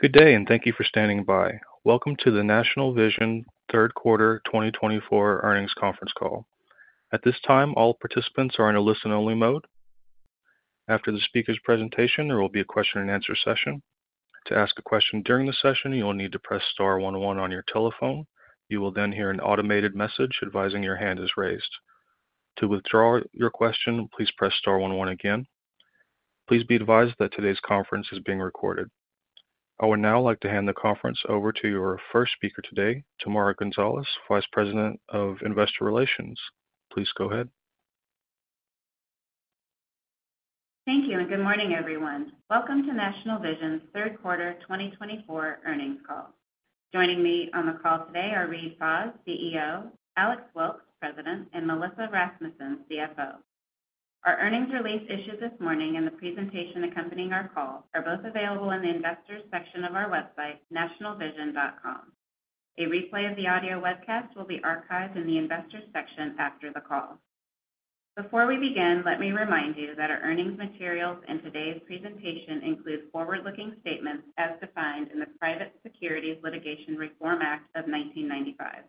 Good day, and thank you for standing by. Welcome to the National Vision Third Quarter 2024 Earnings Conference Call. At this time, all participants are in a listen-only mode. After the speaker's presentation, there will be a question-and-answer session. To ask a question during the session, you'll need to press star one one on your telephone. You will then hear an automated message advising your hand is raised. To withdraw your question, please press star one one again. Please be advised that today's conference is being recorded. I would now like to hand the conference over to your first speaker today, Tamara Gonzalez, Vice President of Investor Relations. Please go ahead. Thank you, and good morning, everyone. Welcome to National Vision's Third Quarter 2024 Earnings Call. Joining me on the call today are Reade Fahs, CEO; Alex Wilkes, President; and Melissa Rasmussen, CFO. Our earnings release issued this morning and the presentation accompanying our call are both available in the investors' section of our website, nationalvision.com. A replay of the audio webcast will be archived in the investors' section after the call. Before we begin, let me remind you that our earnings materials and today's presentation include forward-looking statements as defined in the Private Securities Litigation Reform Act of 1995.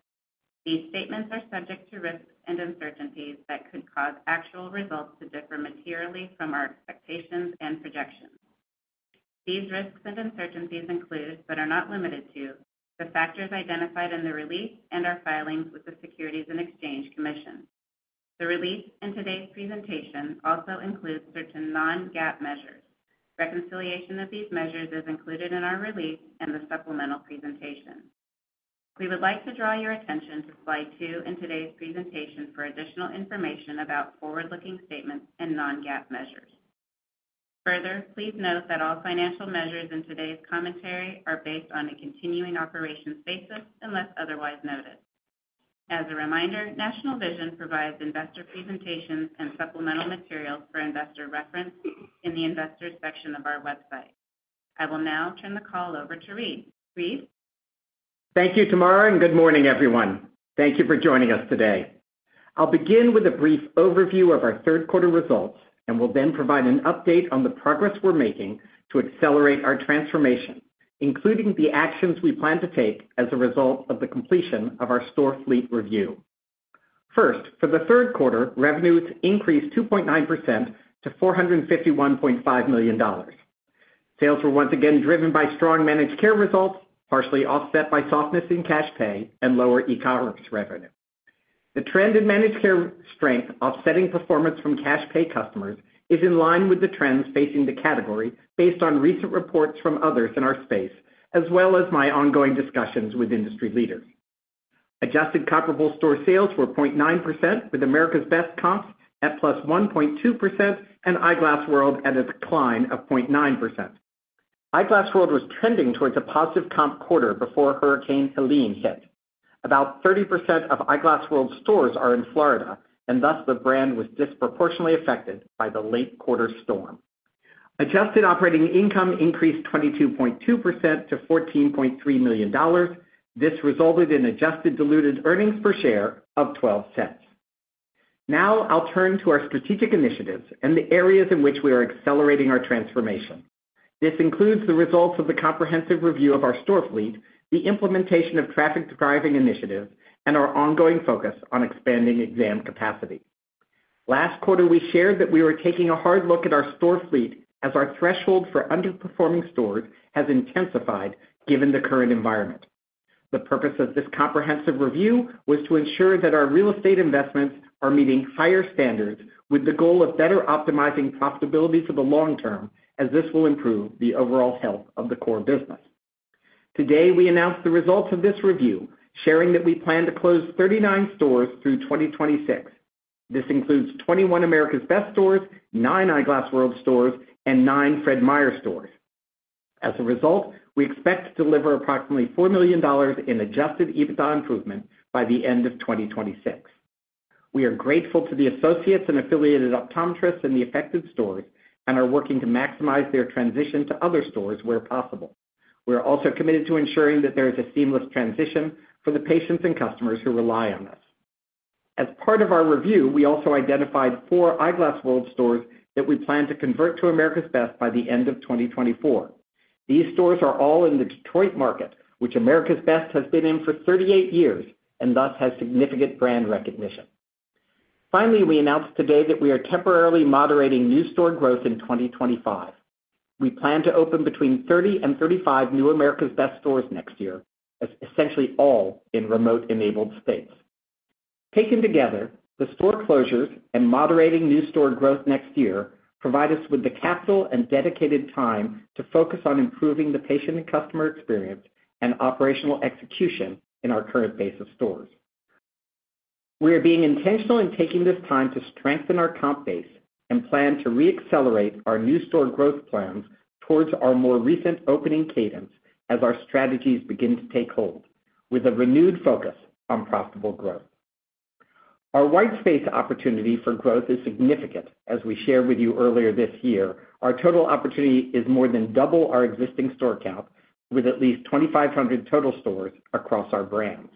These statements are subject to risks and uncertainties that could cause actual results to differ materially from our expectations and projections. These risks and uncertainties include, but are not limited to, the factors identified in the release and our filings with the Securities and Exchange Commission. The release and today's presentation also include certain non-GAAP measures. Reconciliation of these measures is included in our release and the supplemental presentation. We would like to draw your attention to slide two in today's presentation for additional information about forward-looking statements and non-GAAP measures. Further, please note that all financial measures in today's commentary are based on a continuing operations basis unless otherwise noted. As a reminder, National Vision provides investor presentations and supplemental materials for investor reference in the investors' section of our website. I will now turn the call over to Reade. Reade? Thank you, Tamara, and good morning, everyone. Thank you for joining us today. I'll begin with a brief overview of our third quarter results and will then provide an update on the progress we're making to accelerate our transformation, including the actions we plan to take as a result of the completion of our store fleet review. First, for the third quarter, revenues increased 2.9% to $451.5 million. Sales were once again driven by strong managed care results, partially offset by softness in cash pay and lower e-commerce revenue. The trend in managed care strength, offsetting performance from cash pay customers, is in line with the trends facing the category based on recent reports from others in our space, as well as my ongoing discussions with industry leaders. Adjusted comparable store sales were 0.9%, with America's Best comps at plus 1.2% and Eyeglass World at a decline of 0.9%. Eyeglass World was trending towards a positive comp quarter before Hurricane Helene hit. About 30% of Eyeglass World's stores are in Florida, and thus the brand was disproportionately affected by the late quarter storm. Adjusted operating income increased 22.2% to $14.3 million. This resulted in adjusted diluted earnings per share of $0.12. Now I'll turn to our strategic initiatives and the areas in which we are accelerating our transformation. This includes the results of the comprehensive review of our store fleet, the implementation of traffic driving initiatives, and our ongoing focus on expanding exam capacity. Last quarter, we shared that we were taking a hard look at our store fleet as our threshold for underperforming stores has intensified given the current environment. The purpose of this comprehensive review was to ensure that our real estate investments are meeting higher standards with the goal of better optimizing profitability for the long term, as this will improve the overall health of the core business. Today, we announced the results of this review, sharing that we plan to close 39 stores through 2026. This includes 21 America's Best stores, nine Eyeglass World stores, and nine Fred Meyer stores. As a result, we expect to deliver approximately $4 million in adjusted EBITDA improvement by the end of 2026. We are grateful to the associates and affiliated optometrists in the affected stores and are working to maximize their transition to other stores where possible. We are also committed to ensuring that there is a seamless transition for the patients and customers who rely on us. As part of our review, we also identified four Eyeglass World stores that we plan to convert to America's Best by the end of 2024. These stores are all in the Detroit market, which America's Best has been in for 38 years and thus has significant brand recognition. Finally, we announced today that we are temporarily moderating new store growth in 2025. We plan to open between 30 and 35 new America's Best stores next year, essentially all in remote-enabled states. Taken together, the store closures and moderating new store growth next year provide us with the capital and dedicated time to focus on improving the patient and customer experience and operational execution in our current base of stores. We are being intentional in taking this time to strengthen our comp base and plan to re-accelerate our new store growth plans towards our more recent opening cadence as our strategies begin to take hold, with a renewed focus on profitable growth. Our white space opportunity for growth is significant. As we shared with you earlier this year, our total opportunity is more than double our existing store count, with at least 2,500 total stores across our brands.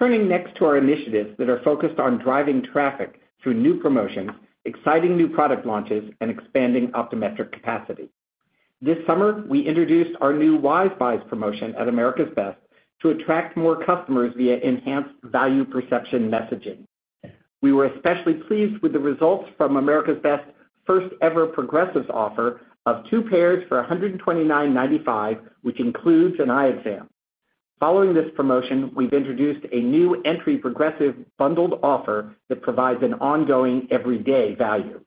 Turning next to our initiatives that are focused on driving traffic through new promotions, exciting new product launches, and expanding optometric capacity. This summer, we introduced our new Wise Buys promotion at America's Best to attract more customers via enhanced value perception messaging. We were especially pleased with the results from America's Best's first-ever progressive offer of two pairs for $129.95, which includes an eye exam. Following this promotion, we've introduced a new entry progressive bundled offer that provides an ongoing everyday value.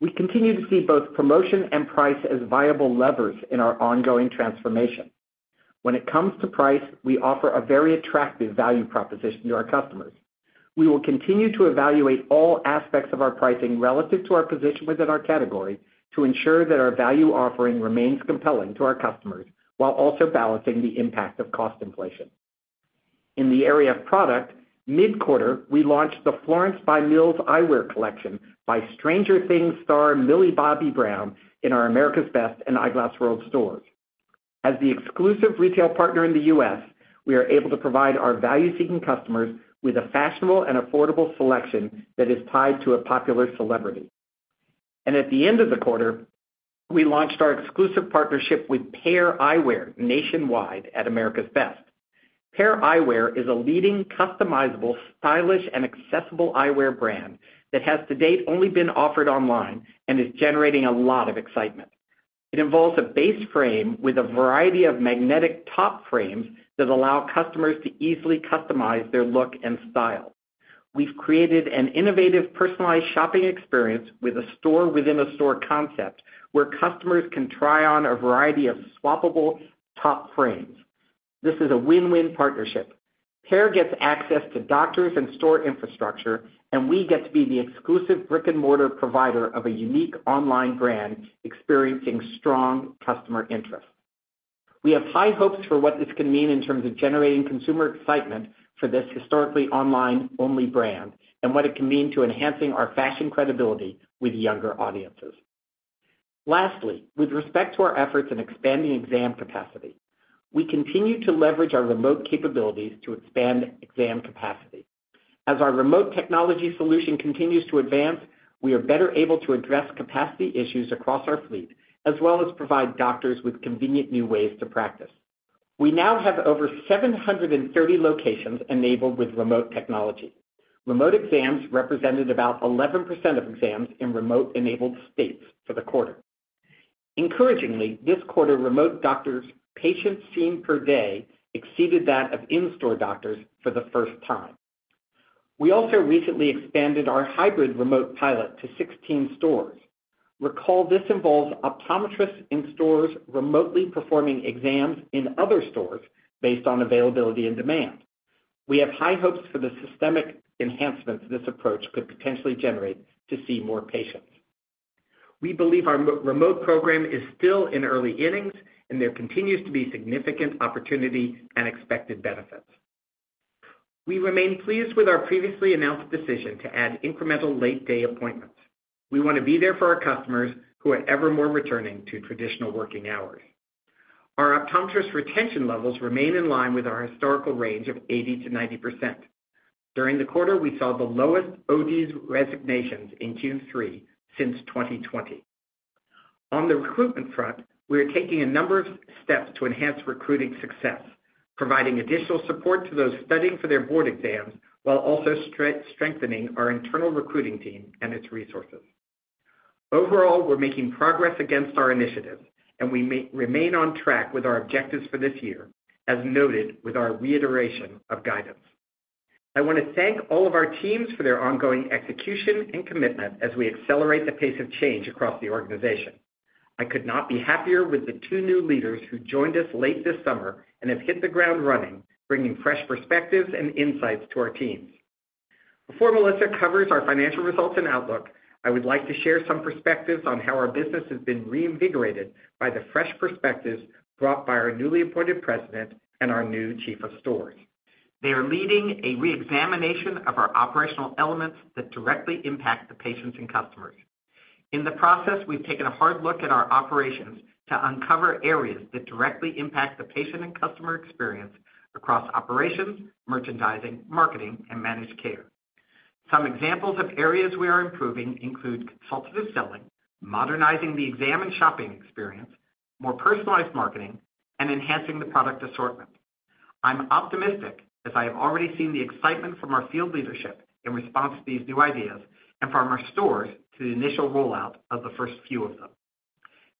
We continue to see both promotion and price as viable levers in our ongoing transformation. When it comes to price, we offer a very attractive value proposition to our customers. We will continue to evaluate all aspects of our pricing relative to our position within our category to ensure that our value offering remains compelling to our customers while also balancing the impact of cost inflation. In the area of product, mid-quarter, we launched the Florence by Mills eyewear collection by Stranger Things star Millie Bobby Brown in our America's Best and Eyeglass World stores. As the exclusive retail partner in the U.S., we are able to provide our value-seeking customers with a fashionable and affordable selection that is tied to a popular celebrity. And at the end of the quarter, we launched our exclusive partnership with Pair Eyewear nationwide at America's Best. Pair Eyewear is a leading, customizable, stylish, and accessible eyewear brand that has to date only been offered online and is generating a lot of excitement. It involves a base frame with a variety of magnetic top frames that allow customers to easily customize their look and style. We've created an innovative personalized shopping experience with a store-within-a-store concept where customers can try on a variety of swappable top frames. This is a win-win partnership. Pair gets access to doctors and store infrastructure, and we get to be the exclusive brick-and-mortar provider of a unique online brand experiencing strong customer interest. We have high hopes for what this can mean in terms of generating consumer excitement for this historically online-only brand and what it can mean to enhancing our fashion credibility with younger audiences. Lastly, with respect to our efforts in expanding exam capacity, we continue to leverage our remote capabilities to expand exam capacity. As our remote technology solution continues to advance, we are better able to address capacity issues across our fleet, as well as provide doctors with convenient new ways to practice. We now have over 730 locations enabled with remote technology. Remote exams represented about 11% of exams in remote-enabled states for the quarter. Encouragingly, this quarter, remote doctors' patient seen per day exceeded that of in-store doctors for the first time. We also recently expanded our hybrid remote pilot to 16 stores. Recall, this involves optometrists in stores remotely performing exams in other stores based on availability and demand. We have high hopes for the systemic enhancements this approach could potentially generate to see more patients. We believe our remote program is still in early innings, and there continues to be significant opportunity and expected benefits. We remain pleased with our previously announced decision to add incremental late-day appointments. We want to be there for our customers who are ever more returning to traditional working hours. Our optometrist retention levels remain in line with our historical range of 80%-90%. During the quarter, we saw the lowest ODs resignations in Q3 since 2020. On the recruitment front, we are taking a number of steps to enhance recruiting success, providing additional support to those studying for their board exams while also strengthening our internal recruiting team and its resources. Overall, we're making progress against our initiatives, and we remain on track with our objectives for this year, as noted with our reiteration of guidance. I want to thank all of our teams for their ongoing execution and commitment as we accelerate the pace of change across the organization. I could not be happier with the two new leaders who joined us late this summer and have hit the ground running, bringing fresh perspectives and insights to our teams. Before Melissa covers our financial results and outlook, I would like to share some perspectives on how our business has been reinvigorated by the fresh perspectives brought by our newly appointed President and our new Chief of Stores. They are leading a reexamination of our operational elements that directly impact the patients and customers. In the process, we've taken a hard look at our operations to uncover areas that directly impact the patient and customer experience across operations, merchandising, marketing, and managed care. Some examples of areas we are improving include consultative selling, modernizing the exam and shopping experience, more personalized marketing, and enhancing the product assortment. I'm optimistic as I have already seen the excitement from our field leadership in response to these new ideas and from our stores to the initial rollout of the first few of them.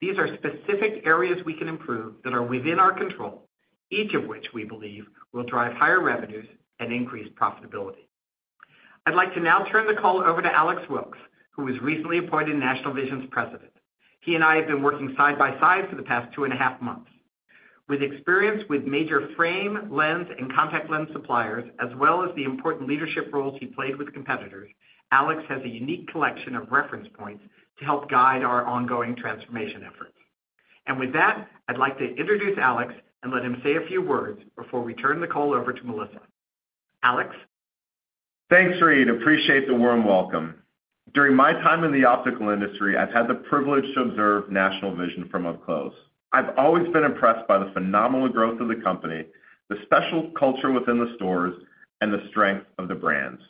These are specific areas we can improve that are within our control, each of which we believe will drive higher revenues and increase profitability. I'd like to now turn the call over to Alex Wilkes, who was recently appointed National Vision's president. He and I have been working side by side for the past two and a half months. With experience with major frame, lens, and contact lens suppliers, as well as the important leadership roles he played with competitors, Alex has a unique collection of reference points to help guide our ongoing transformation efforts. And with that, I'd like to introduce Alex and let him say a few words before we turn the call over to Melissa. Alex? Thanks, Reade. Appreciate the warm welcome. During my time in the optical industry, I've had the privilege to observe National Vision from up close. I've always been impressed by the phenomenal growth of the company, the special culture within the stores, and the strength of the brands.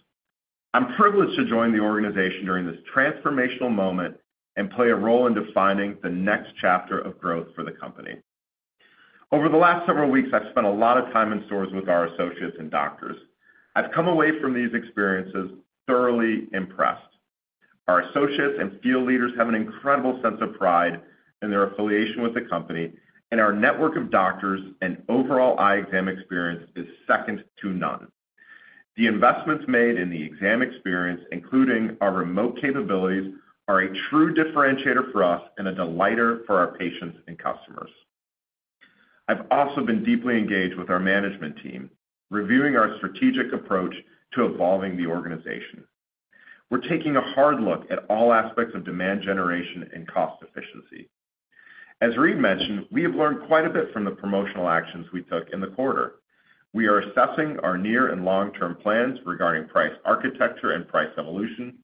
I'm privileged to join the organization during this transformational moment and play a role in defining the next chapter of growth for the company. Over the last several weeks, I've spent a lot of time in stores with our associates and doctors. I've come away from these experiences thoroughly impressed. Our associates and field leaders have an incredible sense of pride in their affiliation with the company, and our network of doctors and overall eye exam experience is second to none. The investments made in the exam experience, including our remote capabilities, are a true differentiator for us and a delighter for our patients and customers. I've also been deeply engaged with our management team, reviewing our strategic approach to evolving the organization. We're taking a hard look at all aspects of demand generation and cost efficiency. As Reade mentioned, we have learned quite a bit from the promotional actions we took in the quarter. We are assessing our near and long-term plans regarding price architecture and price evolution,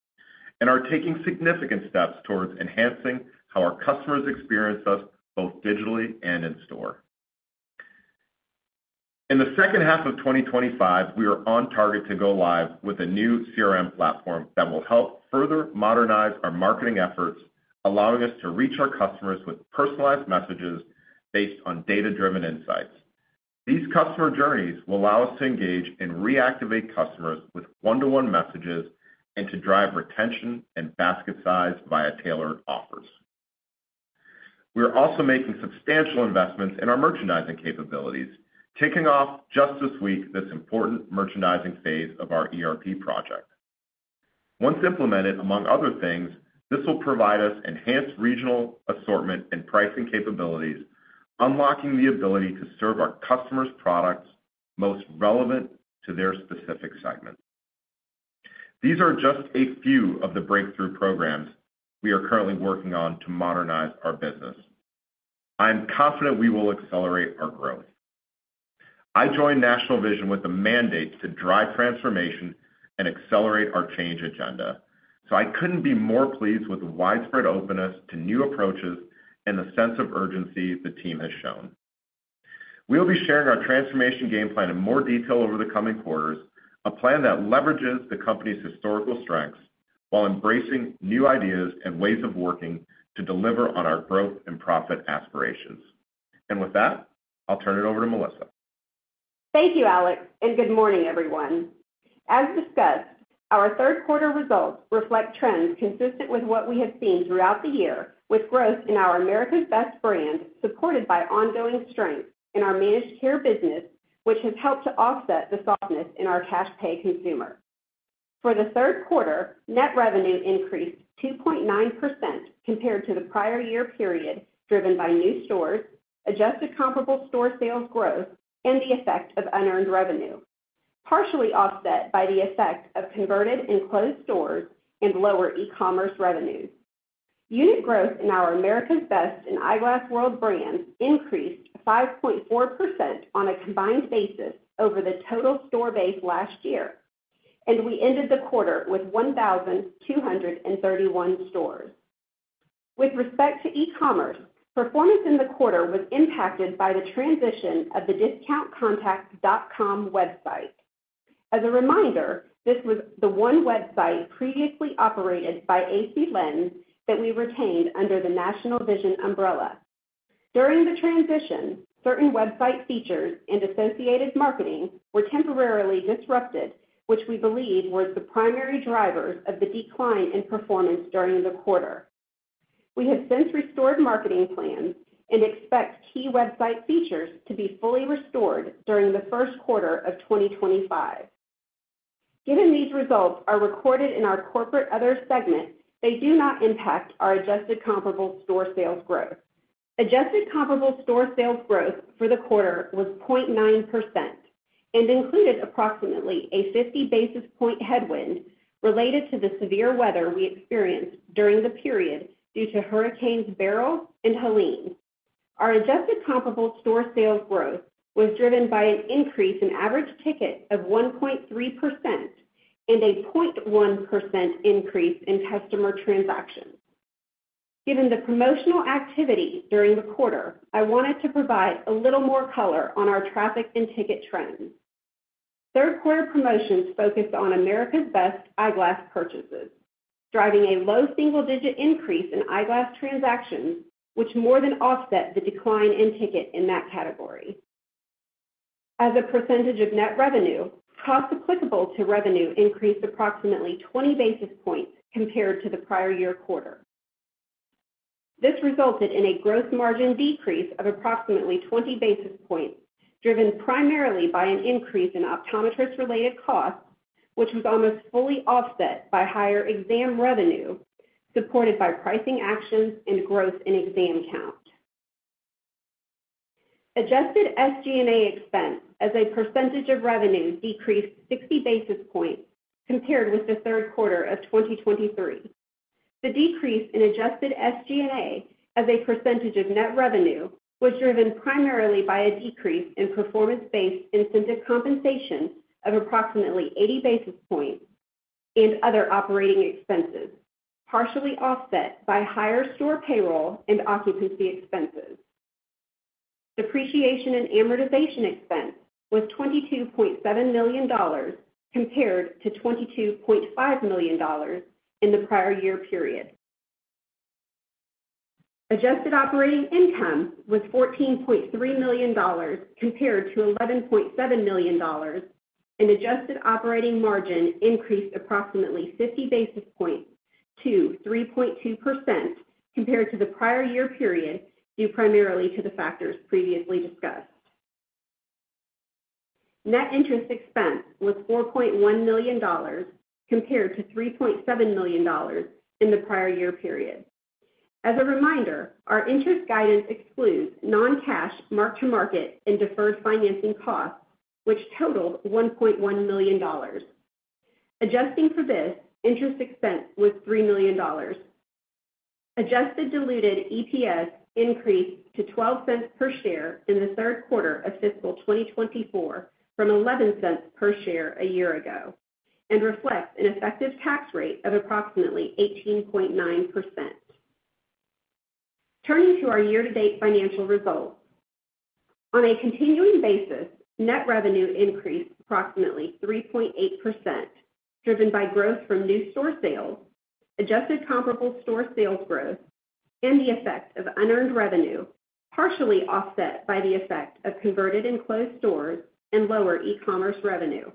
and are taking significant steps towards enhancing how our customers experience us both digitally and in store. In the second half of 2025, we are on target to go live with a new CRM platform that will help further modernize our marketing efforts, allowing us to reach our customers with personalized messages based on data-driven insights. These customer journeys will allow us to engage and reactivate customers with one-to-one messages and to drive retention and basket size via tailored offers. We are also making substantial investments in our merchandising capabilities, kicking off just this week this important merchandising phase of our ERP project. Once implemented, among other things, this will provide us enhanced regional assortment and pricing capabilities, unlocking the ability to serve our customers' products most relevant to their specific segment. These are just a few of the breakthrough programs we are currently working on to modernize our business. I'm confident we will accelerate our growth. I joined National Vision with a mandate to drive transformation and accelerate our change agenda, so I couldn't be more pleased with the widespread openness to new approaches and the sense of urgency the team has shown. We will be sharing our transformation game plan in more detail over the coming quarters, a plan that leverages the company's historical strengths while embracing new ideas and ways of working to deliver on our growth and profit aspirations, and with that, I'll turn it over to Melissa. Thank you, Alex, and good morning, everyone. As discussed, our third-quarter results reflect trends consistent with what we have seen throughout the year, with growth in our America's Best brand supported by ongoing strength in our managed care business, which has helped to offset the softness in our cash pay consumer. For the third quarter, net revenue increased 2.9% compared to the prior year period driven by new stores, adjusted comparable store sales growth, and the effect of unearned revenue, partially offset by the effect of converted and closed stores and lower e-commerce revenues. Unit growth in our America's Best and Eyeglass World brands increased 5.4% on a combined basis over the total store base last year, and we ended the quarter with 1,231 stores. With respect to e-commerce, performance in the quarter was impacted by the transition of the DiscountContacts.com website. As a reminder, this was the one website previously operated by AC Lens that we retained under the National Vision umbrella. During the transition, certain website features and associated marketing were temporarily disrupted, which we believe were the primary drivers of the decline in performance during the quarter. We have since restored marketing plans and expect key website features to be fully restored during the first quarter of 2025. Given these results are recorded in our corporate other segment, they do not impact our adjusted comparable store sales growth. Adjusted comparable store sales growth for the quarter was 0.9% and included approximately a 50 basis points headwind related to the severe weather we experienced during the period due to Hurricanes Beryl and Helene. Our adjusted comparable store sales growth was driven by an increase in average ticket of 1.3% and a 0.1% increase in customer transactions. Given the promotional activity during the quarter, I wanted to provide a little more color on our traffic and ticket trends. Third-quarter promotions focused on America's Best eyeglass purchases, driving a low single-digit increase in eyeglass transactions, which more than offset the decline in ticket in that category. As a percentage of net revenue, cost applicable to revenue increased approximately 20 basis points compared to the prior year quarter. This resulted in a gross margin decrease of approximately 20 basis points, driven primarily by an increase in optometrist-related costs, which was almost fully offset by higher exam revenue supported by pricing actions and growth in exam count. Adjusted SG&A expense as a percentage of revenue decreased 60 basis points compared with the third quarter of 2023. The decrease in adjusted SG&A as a percentage of net revenue was driven primarily by a decrease in performance-based incentive compensation of approximately 80 basis points and other operating expenses, partially offset by higher store payroll and occupancy expenses. Depreciation and amortization expense was $22.7 million compared to $22.5 million in the prior year period. Adjusted operating income was $14.3 million compared to $11.7 million, and adjusted operating margin increased approximately 50 basis points to 3.2% compared to the prior year period due primarily to the factors previously discussed. Net interest expense was $4.1 million compared to $3.7 million in the prior year period. As a reminder, our interest guidance excludes non-cash mark-to-market and deferred financing costs, which totaled $1.1 million. Adjusting for this, interest expense was $3 million. Adjusted diluted EPS increased to $0.12 per share in the third quarter of fiscal 2024 from $0.11 per share a year ago and reflects an effective tax rate of approximately 18.9%. Turning to our year-to-date financial results, on a continuing basis, net revenue increased approximately 3.8%, driven by growth from new store sales, adjusted comparable store sales growth, and the effect of unearned revenue, partially offset by the effect of converted and closed stores and lower e-commerce revenue.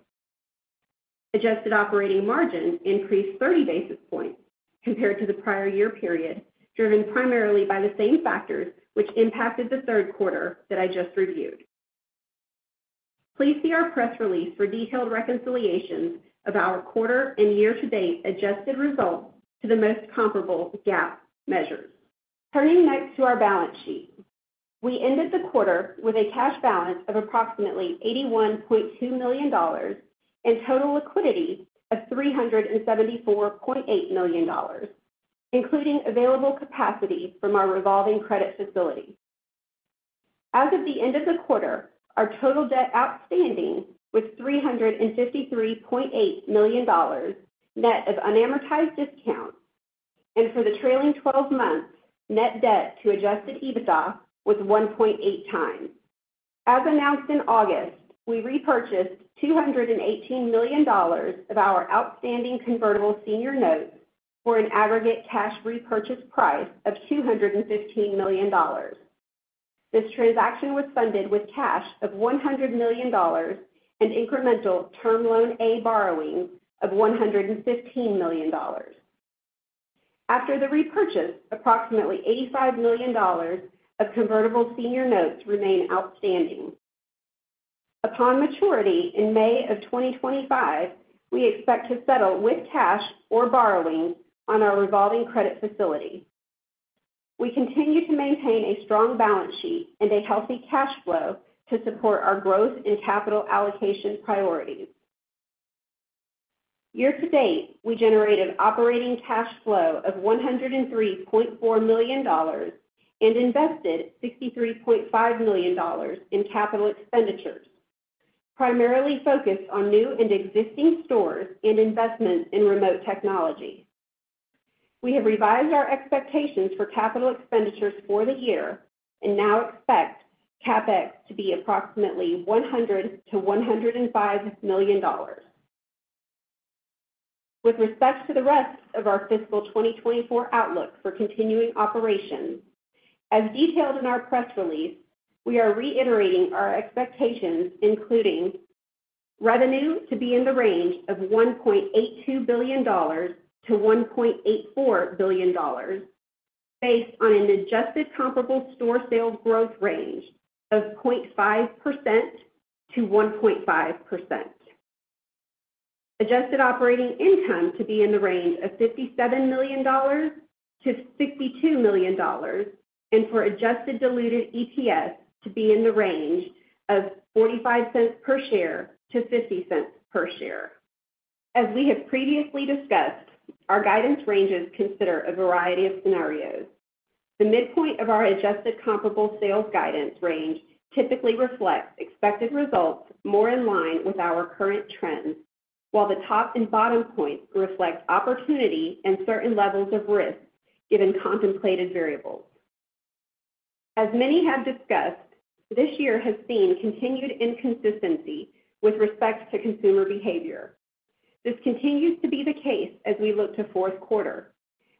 Adjusted operating margin increased 30 basis points compared to the prior year period, driven primarily by the same factors which impacted the third quarter that I just reviewed. Please see our press release for detailed reconciliations of our quarter and year-to-date adjusted results to the most comparable GAAP measures. Turning next to our balance sheet, we ended the quarter with a cash balance of approximately $81.2 million and total liquidity of $374.8 million, including available capacity from our revolving credit facility. As of the end of the quarter, our total debt outstanding was $353.8 million, net of unamortized discounts, and for the trailing 12 months, net debt to Adjusted EBITDA was 1.8 times. As announced in August, we repurchased $218 million of our outstanding convertible senior notes for an aggregate cash repurchase price of $215 million. This transaction was funded with cash of $100 million and incremental Term Loan A borrowing of $115 million. After the repurchase, approximately $85 million of convertible senior notes remain outstanding. Upon maturity in May of 2025, we expect to settle with cash or borrowing on our revolving credit facility. We continue to maintain a strong balance sheet and a healthy cash flow to support our growth and capital allocation priorities. Year-to-date, we generated operating cash flow of $103.4 million and invested $63.5 million in capital expenditures, primarily focused on new and existing stores and investments in remote technology. We have revised our expectations for capital expenditures for the year and now expect CapEx to be approximately $100 million-$105 million. With respect to the rest of our fiscal 2024 outlook for continuing operations, as detailed in our press release, we are reiterating our expectations, including revenue to be in the range of $1.82 billion-$1.84 billion, based on an adjusted comparable store sales growth range of 0.5%-1.5%. Adjusted operating income to be in the range of $57 million-$62 million, and for adjusted diluted EPS to be in the range of $0.45-$0.50 per share. As we have previously discussed, our guidance ranges consider a variety of scenarios. The midpoint of our adjusted comparable sales guidance range typically reflects expected results more in line with our current trends, while the top and bottom points reflect opportunity and certain levels of risk given contemplated variables. As many have discussed, this year has seen continued inconsistency with respect to consumer behavior. This continues to be the case as we look to fourth quarter.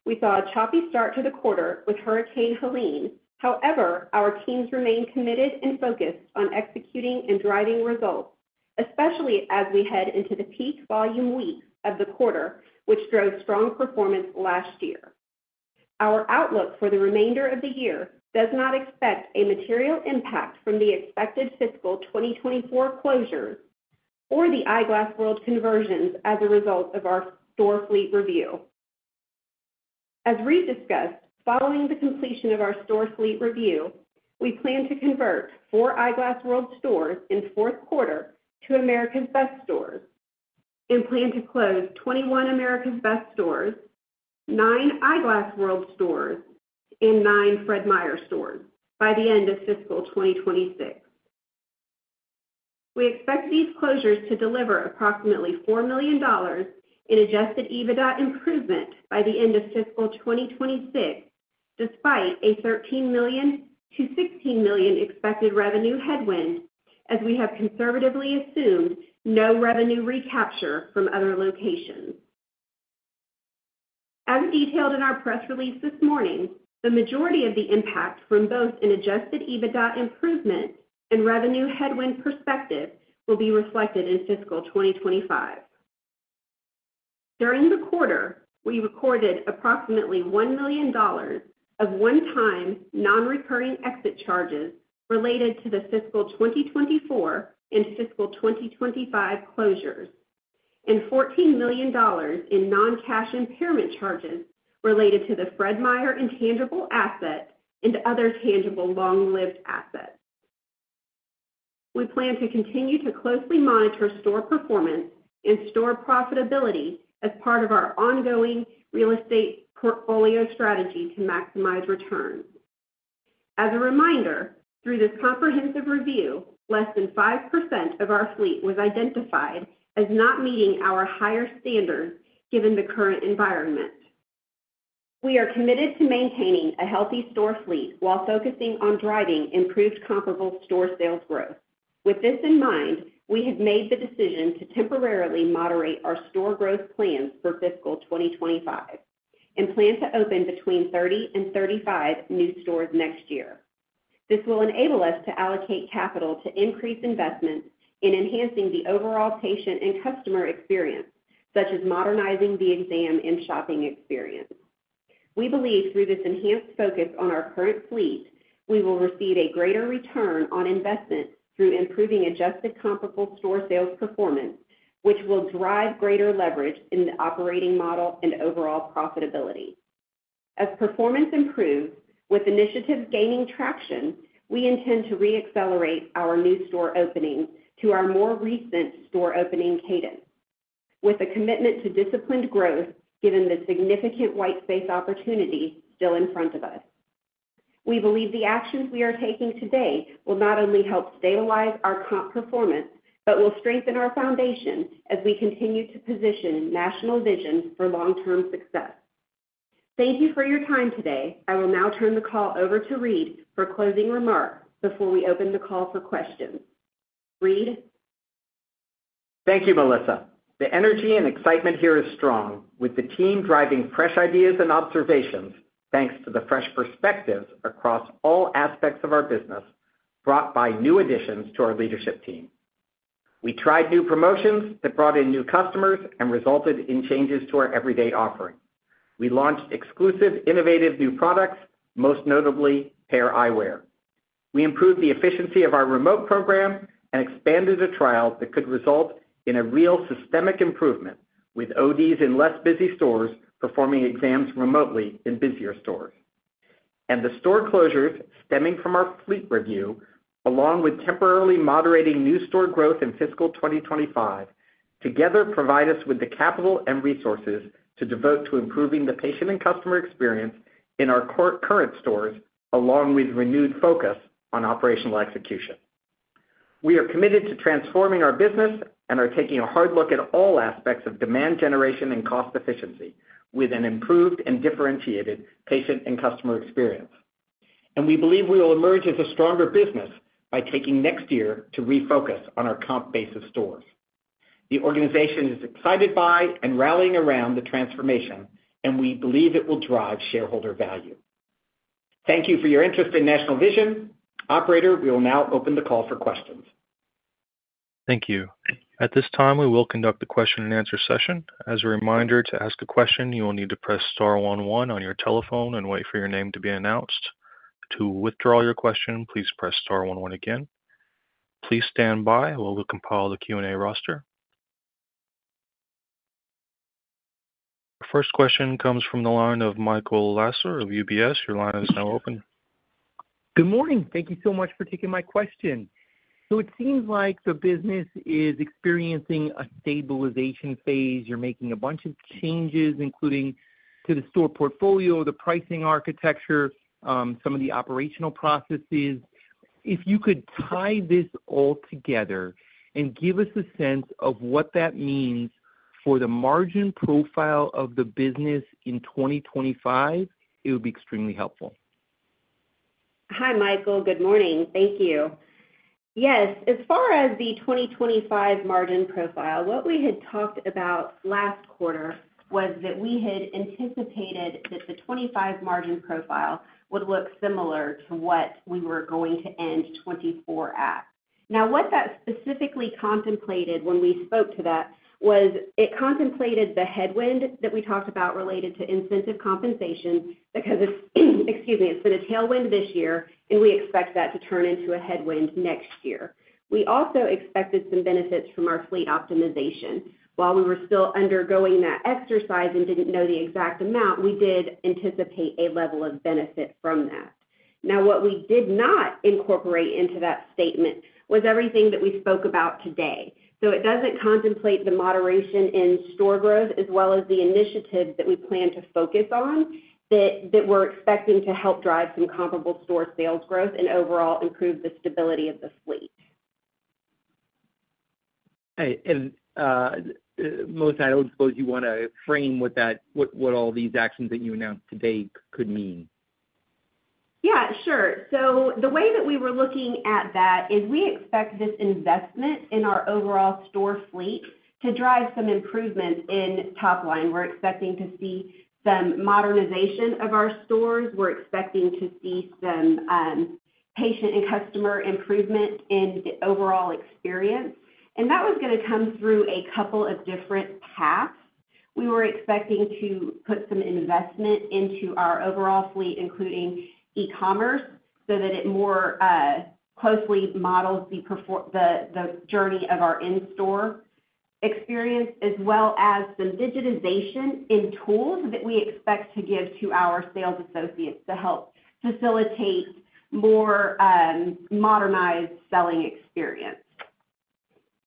We saw a choppy start to the quarter with Hurricane Helene. However, our teams remain committed and focused on executing and driving results, especially as we head into the peak volume weeks of the quarter, which drove strong performance last year. Our outlook for the remainder of the year does not expect a material impact from the expected fiscal 2024 closures or the Eyeglass World conversions as a result of our store fleet review. As Reade discussed, following the completion of our store fleet review, we plan to convert four Eyeglass World stores in fourth quarter to America's Best stores and plan to close 21 America's Best stores, 9 Eyeglass World stores, and 9 Fred Meyer stores by the end of fiscal 2026. We expect these closures to deliver approximately $4 million in Adjusted EBITDA improvement by the end of fiscal 2026, despite a $13 million-$16 million expected revenue headwind, as we have conservatively assumed no revenue recapture from other locations. As detailed in our press release this morning, the majority of the impact from both an adjusted EBITDA improvement and revenue headwind perspective will be reflected in fiscal 2025. During the quarter, we recorded approximately $1 million of one-time non-recurring exit charges related to the fiscal 2024 and fiscal 2025 closures, and $14 million in non-cash impairment charges related to the Fred Meyer intangible asset and other tangible long-lived assets. We plan to continue to closely monitor store performance and store profitability as part of our ongoing real estate portfolio strategy to maximize returns. As a reminder, through this comprehensive review, less than 5% of our fleet was identified as not meeting our higher standards given the current environment. We are committed to maintaining a healthy store fleet while focusing on driving improved comparable store sales growth. With this in mind, we have made the decision to temporarily moderate our store growth plans for fiscal 2025 and plan to open between 30 and 35 new stores next year. This will enable us to allocate capital to increase investments in enhancing the overall patient and customer experience, such as modernizing the exam and shopping experience. We believe through this enhanced focus on our current fleet, we will receive a greater return on investment through improving adjusted comparable store sales performance, which will drive greater leverage in the operating model and overall profitability. As performance improves, with initiatives gaining traction, we intend to re-accelerate our new store openings to our more recent store opening cadence, with a commitment to disciplined growth given the significant white space opportunity still in front of us. We believe the actions we are taking today will not only help stabilize our comp performance but will strengthen our foundation as we continue to position National Vision for long-term success. Thank you for your time today. I will now turn the call over to Reade for closing remarks before we open the call for questions. Reade? Thank you, Melissa. The energy and excitement here is strong, with the team driving fresh ideas and observations thanks to the fresh perspectives across all aspects of our business brought by new additions to our leadership team. We tried new promotions that brought in new customers and resulted in changes to our everyday offering. We launched exclusive innovative new products, most notably Pair Eyewear. We improved the efficiency of our remote program and expanded a trial that could result in a real systemic improvement, with ODs in less busy stores performing exams remotely in busier stores, and the store closures stemming from our fleet review, along with temporarily moderating new store growth in fiscal 2025, together provide us with the capital and resources to devote to improving the patient and customer experience in our current stores, along with renewed focus on operational execution. We are committed to transforming our business and are taking a hard look at all aspects of demand generation and cost efficiency with an improved and differentiated patient and customer experience, and we believe we will emerge as a stronger business by taking next year to refocus on our comp base of stores. The organization is excited by and rallying around the transformation, and we believe it will drive shareholder value. Thank you for your interest in National Vision. Operator, we will now open the call for questions. Thank you. At this time, we will conduct the question-and-answer session. As a reminder, to ask a question, you will need to press star one one on your telephone and wait for your name to be announced. To withdraw your question, please press star one one again. Please stand by while we compile the Q&A roster. Our first question comes from the line of Michael Lasser of UBS. Your line is now open. Good morning. Thank you so much for taking my question, so it seems like the business is experiencing a stabilization phase. You're making a bunch of changes, including to the store portfolio, the pricing architecture, some of the operational processes. If you could tie this all together and give us a sense of what that means for the margin profile of the business in 2025, it would be extremely helpful. Hi, Michael. Good morning. Thank you. Yes. As far as the 2025 margin profile, what we had talked about last quarter was that we had anticipated that the '25 margin profile would look similar to what we were going to end '24 at. Now, what that specifically contemplated when we spoke to that was it contemplated the headwind that we talked about related to incentive compensation because, excuse me, it's been a tailwind this year, and we expect that to turn into a headwind next year. We also expected some benefits from our fleet optimization. While we were still undergoing that exercise and didn't know the exact amount, we did anticipate a level of benefit from that. Now, what we did not incorporate into that statement was everything that we spoke about today. So it doesn't contemplate the moderation in store growth as well as the initiatives that we plan to focus on that we're expecting to help drive some comparable store sales growth and overall improve the stability of the fleet. And, Melissa, I don't suppose you want to frame what all these actions that you announced today could mean. Yeah, sure. So the way that we were looking at that is we expect this investment in our overall store fleet to drive some improvement in top line. We're expecting to see some modernization of our stores. We're expecting to see some patient and customer improvement in the overall experience. And that was going to come through a couple of different paths. We were expecting to put some investment into our overall fleet, including e-commerce, so that it more closely models the journey of our in-store experience, as well as some digitization in tools that we expect to give to our sales associates to help facilitate a more modernized selling experience.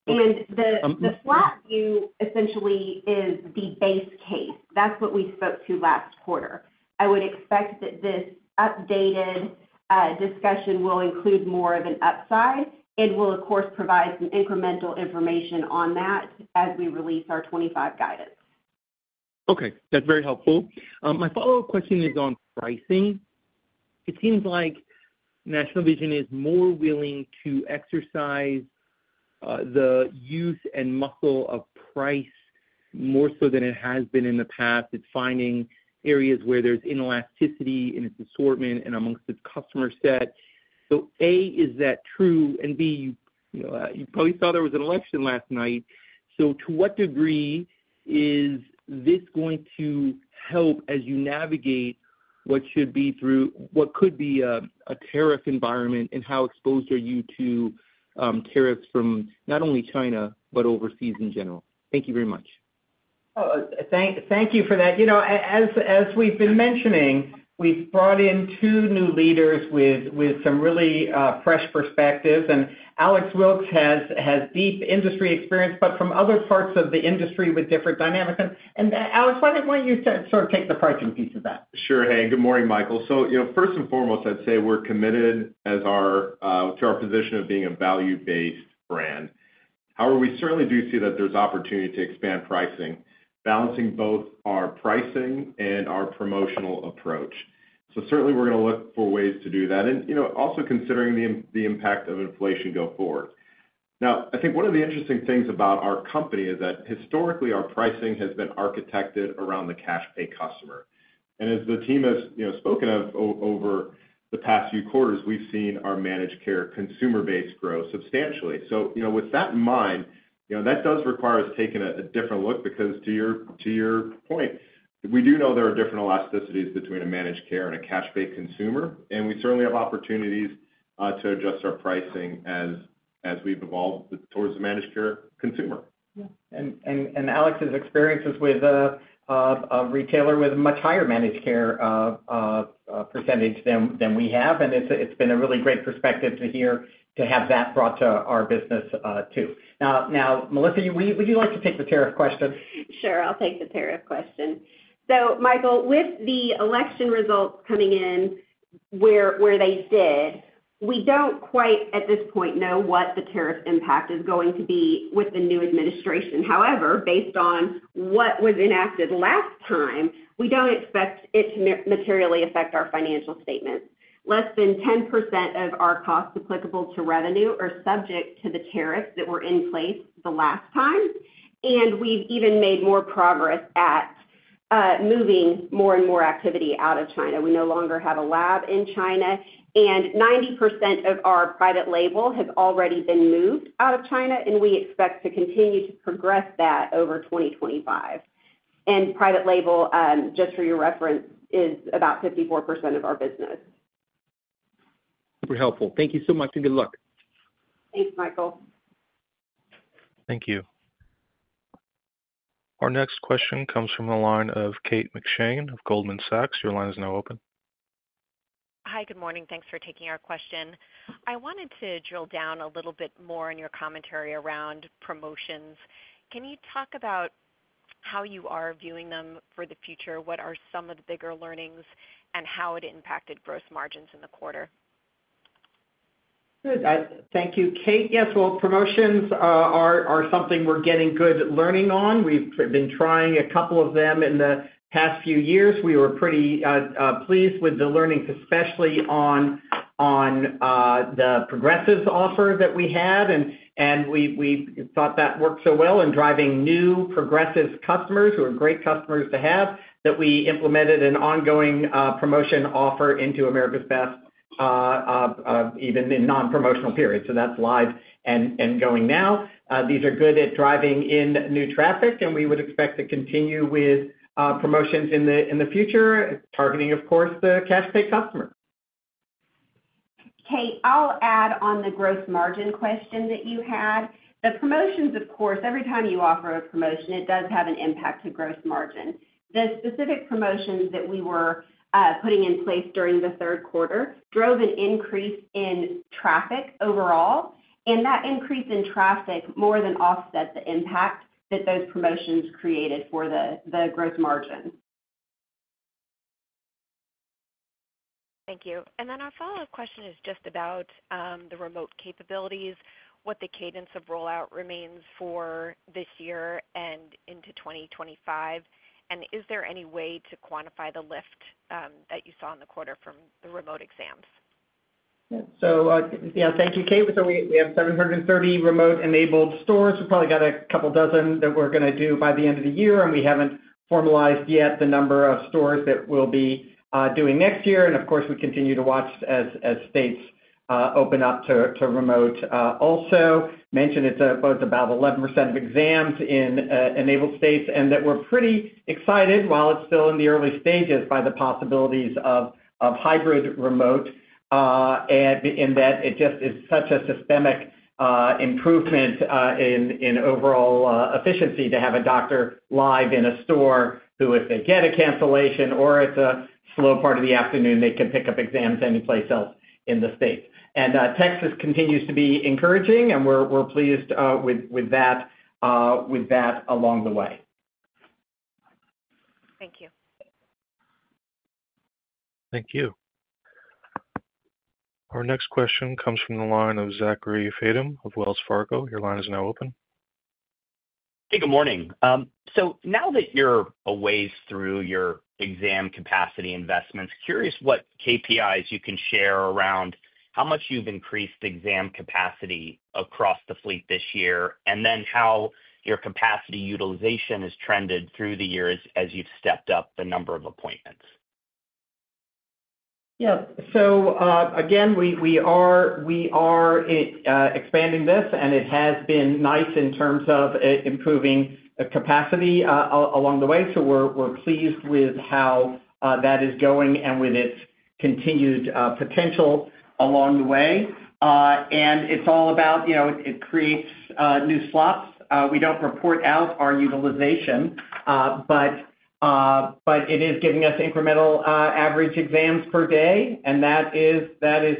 And the flat view essentially is the base case. That's what we spoke to last quarter. I would expect that this updated discussion will include more of an upside and will, of course, provide some incremental information on that as we release our 2025 guidance. Okay. That's very helpful. My follow-up question is on pricing. It seems like National Vision is more willing to exercise the use and muscle of price more so than it has been in the past. It's finding areas where there's inelasticity in its assortment and amongst its customer set. So A, is that true? B, you probably saw there was an election last night. So to what degree is this going to help as you navigate what should be through what could be a tariff environment and how exposed are you to tariffs from not only China but overseas in general? Thank you very much. Thank you for that. As we've been mentioning, we've brought in two new leaders with some really fresh perspectives. And Alex Wilkes has deep industry experience, but from other parts of the industry with different dynamics. And Alex, why don't you sort of take the pricing piece of that? Sure, Hey. Good morning, Michael. So first and foremost, I'd say we're committed to our position of being a value-based brand. However, we certainly do see that there's opportunity to expand pricing, balancing both our pricing and our promotional approach. So certainly, we're going to look for ways to do that and also considering the impact of inflation going forward. Now, I think one of the interesting things about our company is that historically, our pricing has been architected around the cash-pay customer. And as the team has spoken of over the past few quarters, we've seen our managed care consumer base grow substantially. So with that in mind, that does require us taking a different look because, to your point, we do know there are different elasticities between a managed care and a cash-pay consumer. And we certainly have opportunities to adjust our pricing as we've evolved towards the managed care consumer. And Alex's experience is with a retailer with a much higher managed care percentage than we have. And it's been a really great perspective to hear to have that brought to our business too. Now, Melissa, would you like to take the tariff question? Sure. I'll take the tariff question. So, Michael, with the election results coming in where they did, we don't quite at this point know what the tariff impact is going to be with the new administration. However, based on what was enacted last time, we don't expect it to materially affect our financial statements. Less than 10% of our costs applicable to revenue are subject to the tariffs that were in place the last time. And we've even made more progress at moving more and more activity out of China. We no longer have a lab in China. And 90% of our private label has already been moved out of China, and we expect to continue to progress that over 2025. And private label, just for your reference, is about 54% of our business. Super helpful. Thank you so much and good luck. Thanks, Michael. Thank you. Our next question comes from the line of Kate McShane of Goldman Sachs. Your line is now open. Hi, good morning. Thanks for taking our question. I wanted to drill down a little bit more in your commentary around promotions. Can you talk about how you are viewing them for the future? What are some of the bigger learnings and how it impacted gross margins in the quarter? Good. Thank you. Kate, yes. Well, promotions are something we're getting good learning on. We've been trying a couple of them in the past few years. We were pretty pleased with the learnings, especially on the progressive offer that we had. We thought that worked so well in driving new progressive customers who are great customers to have that we implemented an ongoing promotion offer into America's Best, even in non-promotional period. So that's live and going now. These are good at driving in new traffic, and we would expect to continue with promotions in the future, targeting, of course, the cash-pay customer. Kate, I'll add on the gross margin question that you had. The promotions, of course, every time you offer a promotion, it does have an impact to gross margin. The specific promotions that we were putting in place during the third quarter drove an increase in traffic overall. And that increase in traffic more than offsets the impact that those promotions created for the gross margin. Thank you. Our follow-up question is just about the remote capabilities, what the cadence of rollout remains for this year and into 2025. And is there any way to quantify the lift that you saw in the quarter from the remote exams? Yeah. So thank you, Kate. So we have 730 remote-enabled stores. We've probably got a couple dozen that we're going to do by the end of the year. And we haven't formalized yet the number of stores that we'll be doing next year. And of course, we continue to watch as states open up to remote. Also mentioned it's about 11% of exams in enabled states and that we're pretty excited, while it's still in the early stages, by the possibilities of hybrid remote and that it just is such a systemic improvement in overall efficiency to have a doctor live in a store who, if they get a cancellation or it's a slow part of the afternoon, they can pick up exams any place else in the state, and Texas continues to be encouraging, and we're pleased with that along the way. Thank you. Thank you. Our next question comes from the line of Zachary Fadem of Wells Fargo. Your line is now open. Hey, good morning. So now that you're a ways through your exam capacity investments, curious what KPIs you can share around how much you've increased exam capacity across the fleet this year and then how your capacity utilization has trended through the years as you've stepped up the number of appointments. Yeah. So again, we are expanding this, and it has been nice in terms of improving capacity along the way. So we're pleased with how that is going and with its continued potential along the way. And it's all about it creates new slots. We don't report out our utilization, but it is giving us incremental average exams per day. And that is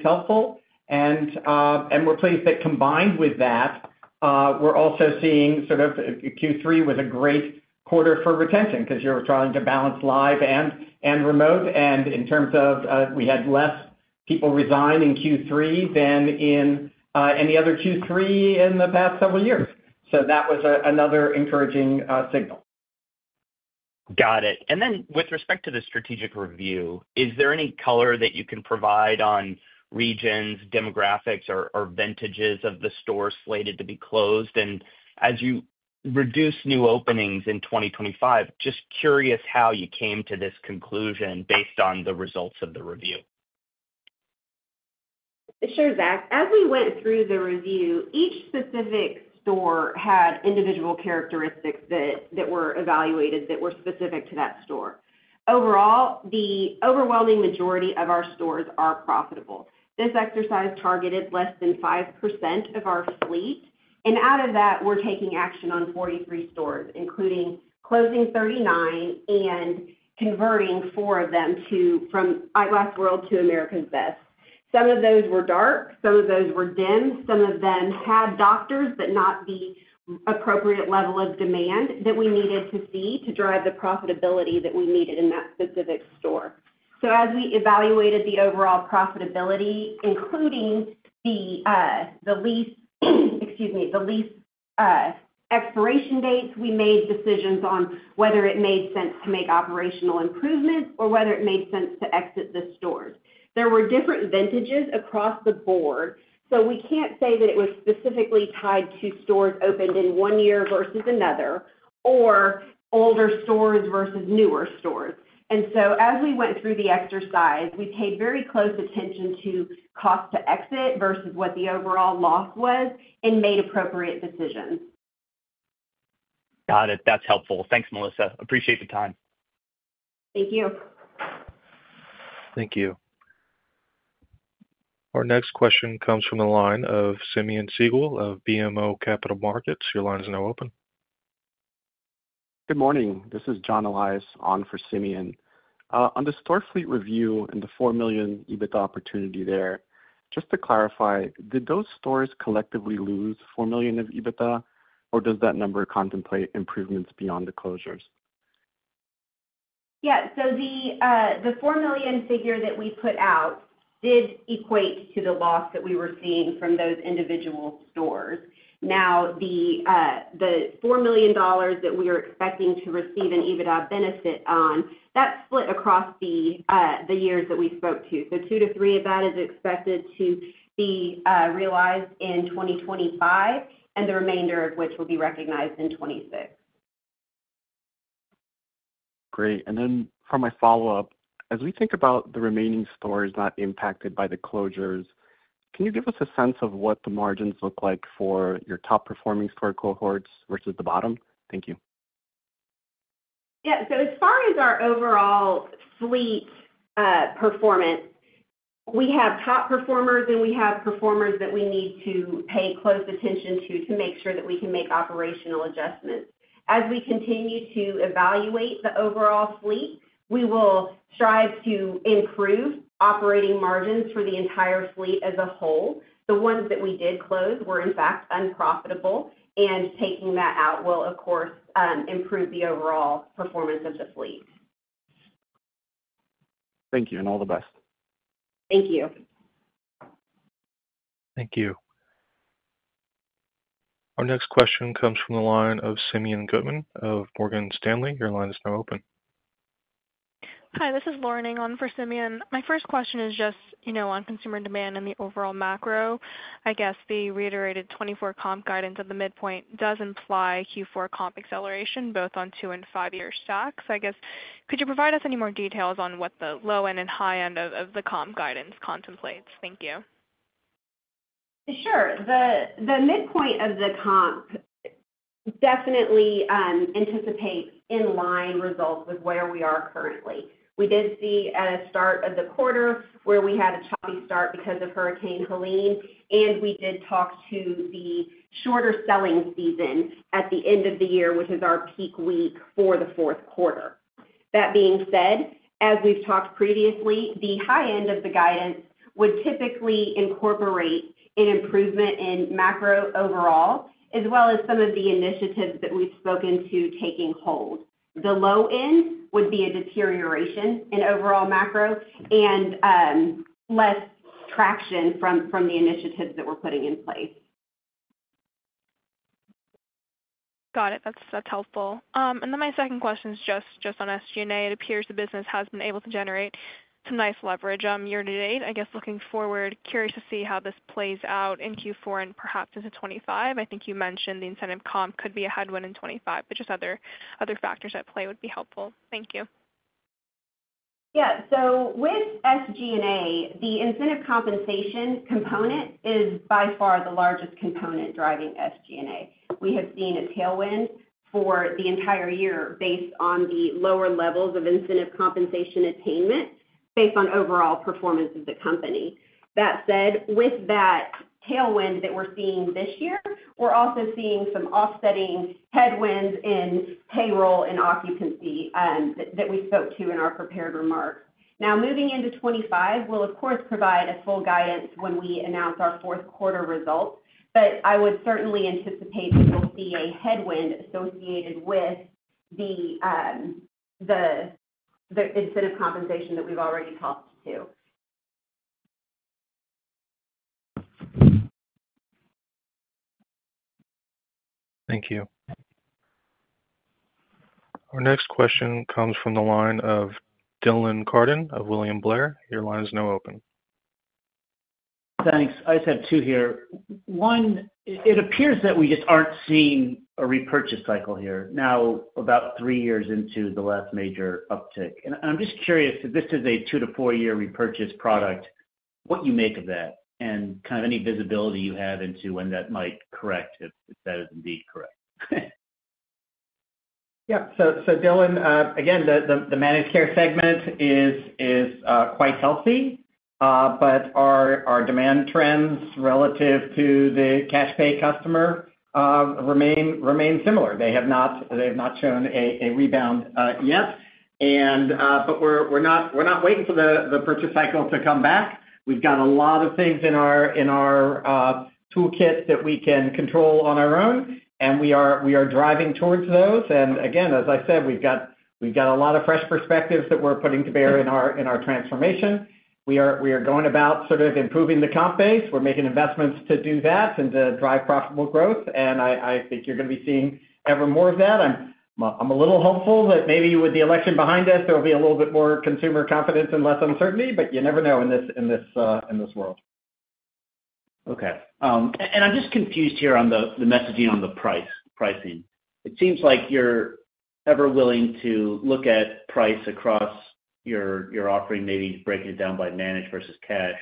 helpful. And we're pleased that combined with that, we're also seeing sort of Q3 was a great quarter for retention because you're trying to balance live and remote. And in terms of we had less people resign in Q3 than in any other Q3 in the past several years. So that was another encouraging signal. Got it. And then with respect to the strategic review, is there any color that you can provide on regions, demographics, or vintages of the stores slated to be closed? And as you reduce new openings in 2025, just curious how you came to this conclusion based on the results of the review. Sure, Zach. As we went through the review, each specific store had individual characteristics that were evaluated that were specific to that store. Overall, the overwhelming majority of our stores are profitable. This exercise targeted less than 5% of our fleet. And out of that, we're taking action on 43 stores, including closing 39 and converting four of them from Eyeglass World to America's Best. Some of those were dark. Some of those were dim. Some of them had doctors but not the appropriate level of demand that we needed to see to drive the profitability that we needed in that specific store. So as we evaluated the overall profitability, including the lease, excuse me, the lease expiration dates, we made decisions on whether it made sense to make operational improvements or whether it made sense to exit the stores. There were different vintages across the board. So we can't say that it was specifically tied to stores opened in one year versus another or older stores versus newer stores. And so as we went through the exercise, we paid very close attention to cost to exit versus what the overall loss was and made appropriate decisions. Got it. That's helpful. Thanks, Melissa. Appreciate the time. Thank you. Thank you. Our next question comes from the line of Simeon Siegel of BMO Capital Markets. Your line is now open. Good morning. This is John Elias on for Simeon. On the store fleet review and the $4 million EBITDA opportunity there, just to clarify, did those stores collectively lose $4 million of EBITDA, or does that number contemplate improvements beyond the closures? Yeah. So the $4 million figure that we put out did equate to the loss that we were seeing from those individual stores. Now, the $4 million that we are expecting to receive in EBITDA benefit on, that's split across the years that we spoke to. So $2 million-$3 million of that is expected to be realized in 2025, and the remainder of which will be recognized in 2026. Great. And then for my follow-up, as we think about the remaining stores not impacted by the closures, can you give us a sense of what the margins look like for your top-performing store cohorts versus the bottom? Thank you. Yeah. So as far as our overall fleet performance, we have top performers, and we have performers that we need to pay close attention to to make sure that we can make operational adjustments. As we continue to evaluate the overall fleet, we will strive to improve operating margins for the entire fleet as a whole. The ones that we did close were, in fact, unprofitable. And taking that out will, of course, improve the overall performance of the fleet. Thank you. And all the best. Thank you. Thank you. Our next question comes from the line of Simeon Gutman of Morgan Stanley. Your line is now open. Hi, this is Lauren Ng for Simeon Gutman. My first question is just on consumer demand and the overall macro. I guess the reiterated 24-comp guidance at the midpoint does imply Q4-comp acceleration both on two and five-year stacks. I guess, could you provide us any more details on what the low-end and high-end of the comp guidance contemplates? Thank you. Sure. The midpoint of the comp definitely anticipates in-line results with where we are currently. We did see at a start of the quarter where we had a choppy start because of Hurricane Helene, and we did talk to the shorter selling season at the end of the year, which is our peak week for the fourth quarter. That being said, as we've talked previously, the high-end of the guidance would typically incorporate an improvement in macro overall, as well as some of the initiatives that we've spoken to taking hold. The low-end would be a deterioration in overall macro and less traction from the initiatives that we're putting in place. Got it. That's helpful. And then my second question is just on SG&A. It appears the business has been able to generate some nice leverage year to date. I guess looking forward, curious to see how this plays out in Q4 and perhaps into 2025. I think you mentioned the incentive comp could be a headwind in 2025, but just other factors at play would be helpful. Thank you. Yeah. So with SG&A, the incentive compensation component is by far the largest component driving SG&A. We have seen a tailwind for the entire year based on the lower levels of incentive compensation attainment based on overall performance of the company. That said, with that tailwind that we're seeing this year, we're also seeing some offsetting headwinds in payroll and occupancy that we spoke to in our prepared remarks. Now, moving into 2025, we'll, of course, provide a full guidance when we announce our fourth quarter results. But I would certainly anticipate that we'll see a headwind associated with the incentive compensation that we've already talked to. Thank you. Our next question comes from the line of Dylan Carden of William Blair. Your line is now open. Thanks. I just have two here. One, it appears that we just aren't seeing a repurchase cycle here now about three years into the last major uptick. I'm just curious if this is a two- to four-year repurchase product, what you make of that and kind of any visibility you have into when that might correct if that is indeed correct. Yeah. So, Dylan, again, the managed care segment is quite healthy, but our demand trends relative to the cash-pay customer remain similar. They have not shown a rebound yet. But we're not waiting for the purchase cycle to come back. We've got a lot of things in our toolkit that we can control on our own, and we are driving towards those. And again, as I said, we've got a lot of fresh perspectives that we're putting to bear in our transformation. We are going about sort of improving the comp base. We're making investments to do that and to drive profitable growth. And I think you're going to be seeing ever more of that. I'm a little hopeful that maybe with the election behind us, there will be a little bit more consumer confidence and less uncertainty, but you never know in this world. Okay. And I'm just confused here on the messaging on the pricing. It seems like you're ever willing to look at price across your offering, maybe breaking it down by managed versus cash.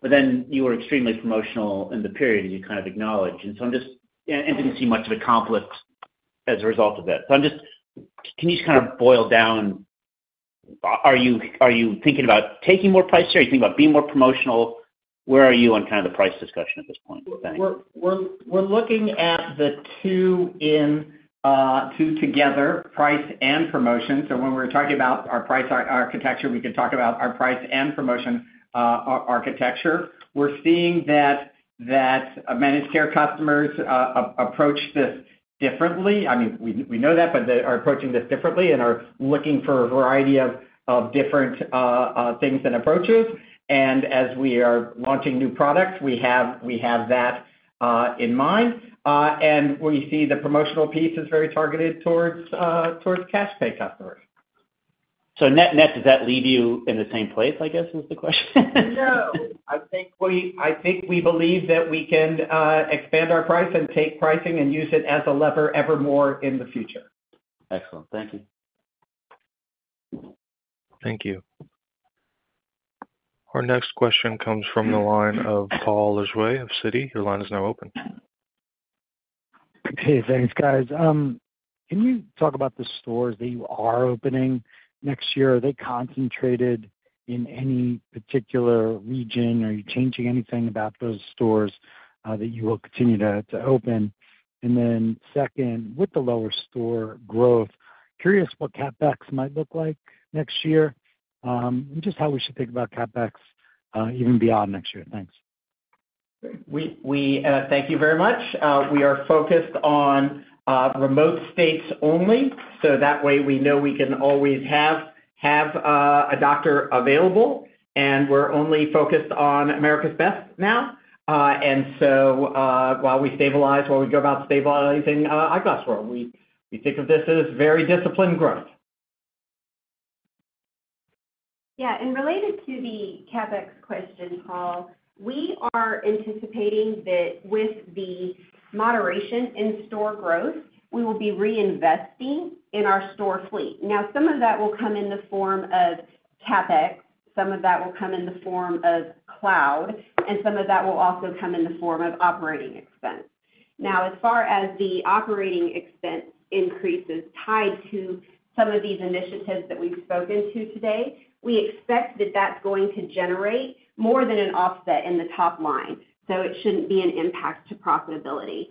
But then you were extremely promotional in the period, as you kind of acknowledged. And so I didn't see much of a conflict as a result of that. So can you just kind of boil down, are you thinking about taking more price here? Are you thinking about being more promotional? Where are you on kind of the price discussion at this point? Thanks. We're looking at the two together, price and promotion. So when we're talking about our price architecture, we can talk about our price and promotion architecture. We're seeing that managed care customers approach this differently. I mean, we know that, but they are approaching this differently and are looking for a variety of different things and approaches. And as we are launching new products, we have that in mind. And we see the promotional piece is very targeted towards cash-pay customers. So net does that leave you in the same place, I guess, is the question? No. I think we believe that we can expand our price and take pricing and use it as a lever ever more in the future. Excellent. Thank you. Thank you. Our next question comes from the line of Paul Lejuez of Citi. Your line is now open. Hey, thanks, guys. Can you talk about the stores that you are opening next year? Are they concentrated in any particular region? Are you changing anything about those stores that you will continue to open? And then second, with the lower store growth, curious what CapEx might look like next year and just how we should think about CapEx even beyond next year. Thanks. Thank you very much. We are focused on remote states only. So that way, we know we can always have a doctor available. And we're only focused on America's Best now. And so while we stabilize, while we go about stabilizing Eyeglass World, we think of this as very disciplined growth. Yeah. And related to the CapEx question, Paul, we are anticipating that with the moderation in store growth, we will be reinvesting in our store fleet. Now, some of that will come in the form of CapEx. Some of that will come in the form of cloud. Some of that will also come in the form of operating expense. Now, as far as the operating expense increases tied to some of these initiatives that we've spoken to today, we expect that that's going to generate more than an offset in the top line. So it shouldn't be an impact to profitability.